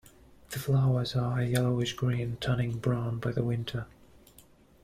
The flowers are a yellowish-green, turning brown by the winter.